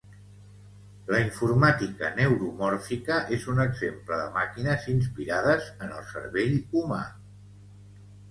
La informàtica neuromòrfica és un exemple de màquines inspirades en el cervell humà.